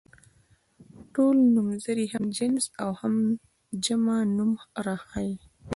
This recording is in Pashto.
ټول نومځري هم جنس او جمع نوم راښيي.